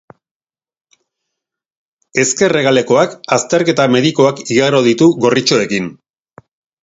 Ezker hegalekoak azterketa medikoak igaro ditu gorritxoekin.